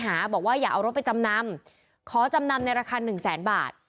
หาบอกว่าอย่าเอารถไปจำนำขอจำนำในราคา